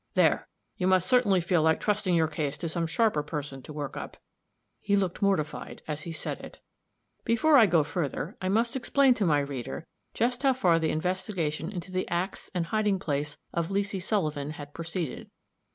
There! You must certainly feel like trusting your case to some sharper person to work up" he looked mortified as he said it. Before I go further I must explain to my reader just how far the investigation into the acts and hiding place of Leesy Sullivan had proceeded.